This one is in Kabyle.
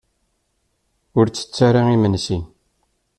Ur ttett ara imensi.